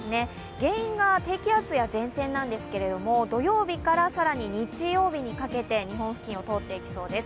原因が低気圧や前線なんですけれども、土曜日から更に日曜日にかけて日本付近を通っていきそうです。